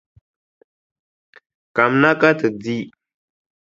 Kamina ka ti di.